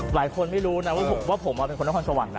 หลายคนไม่รู้นะว่าผมเป็นคนนครสวรรค์นะ